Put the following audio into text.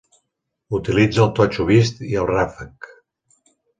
Utilitza el totxo vist i el ràfec.